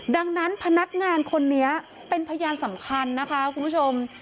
ดังนั้นพนักงานคนนี้เป็นพยานสำคัญนะคะคุณผู้ชม